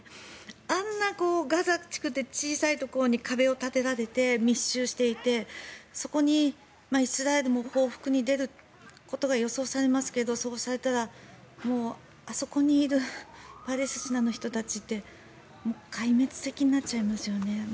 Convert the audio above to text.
あんなにガザ地区って小さいところに壁を立てられて密集していて、そこにイスラエルも報復に出ることが予想されますけれどそうされたらもうあそこにいるパレスチナの人たちって壊滅的になっちゃいますよね。